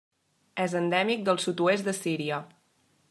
És endèmic del sud-oest de Síria.